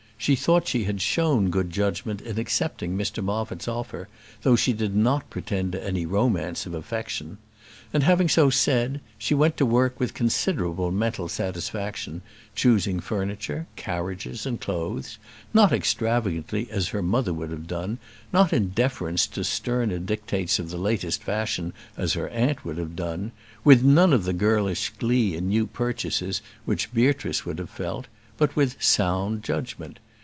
She thought she had shown good judgment in accepting Mr Moffat's offer, though she did not pretend to any romance of affection. And, having so said, she went to work with considerable mental satisfaction, choosing furniture, carriages, and clothes, not extravagantly as her mother would have done, not in deference to sterner dictates of the latest fashion as her aunt would have done, with none of the girlish glee in new purchases which Beatrice would have felt, but with sound judgment.